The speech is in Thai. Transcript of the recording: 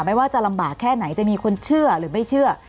ไม่ว่าจะลำบากแค่ไหนจะมีคนเชื่อหรือไม่เชื่อ